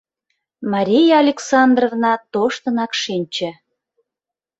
— Мария Александровна тоштынак шинче.